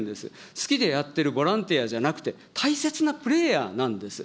好きでやってるボランティアじゃなくて、大切なプレーヤーなんです。